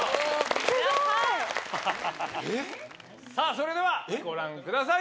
それではご覧ください！